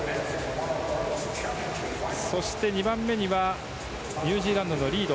そして２番目にニュージーランドのリード